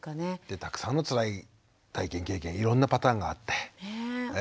たくさんのつらい体験経験いろんなパターンがあって。